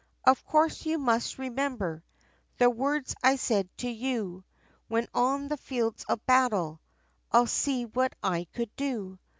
"Of course you must remember, The words, I said to you 'When on the field of battle, I'd see what I could do.'